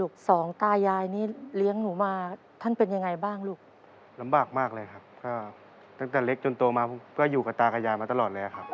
ก็อยู่กับตากับยายมาตลอดเลยครับ